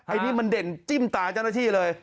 อันนี้มันเด่นจิ้มตาเจ้าหน้าที่เลย